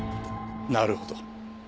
なるほど。